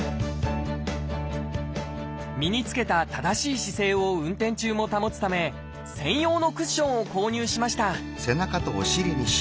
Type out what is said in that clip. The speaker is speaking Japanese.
身につけた正しい姿勢を運転中も保つため専用のクッションを購入しました